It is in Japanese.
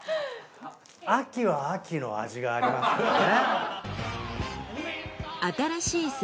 秋は秋の味がありますからね。